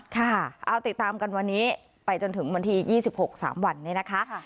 ค่ะเอาติดตามกันวันนี้ไปจนถึงวันที่๒๖๓วันนี้นะคะ